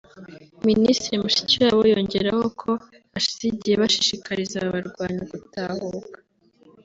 Minisitiri Mushikiwabo yongeraho ko hashize igihe bashishikariza aba barwanyi gutahuka